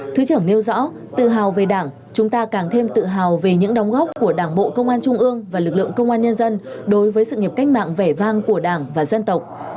thứ trưởng nêu rõ tự hào về đảng chúng ta càng thêm tự hào về những đóng góp của đảng bộ công an trung ương và lực lượng công an nhân dân đối với sự nghiệp cách mạng vẻ vang của đảng và dân tộc